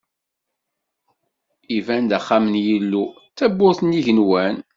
Iban d axxam n Yillu, d tabburt n igenwan.